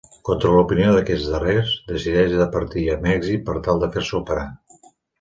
Contra l'opinió d'aquests darrers, decideix de partir a Mèxic per tal de fer-se operar.